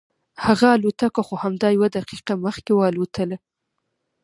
هغه الوتکه خو همدا یوه دقیقه مخکې والوتله.